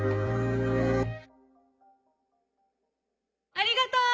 ありがとう！